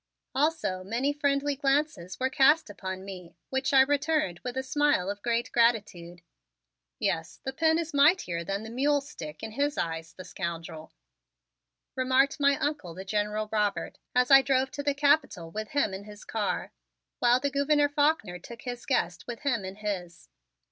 Also many friendly glances were cast upon me, which I returned with a smile of great gratitude. "Yes, the pen is mightier than the mule stick in his eyes, the scoundrel," remarked my Uncle, the General Robert, as I drove to the Capitol with him in his car, while the Gouverneur Faulkner took his guest with him in his.